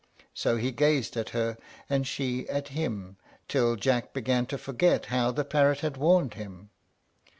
So he gazed at her, and she at him, till Jack began to forget how the parrot had warned him.